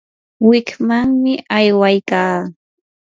wikmanmi aywaykaa.